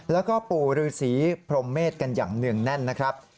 แล้วก็ปู่ฤษีพรมเมษกันอย่างเนื่องแน่นนะครับ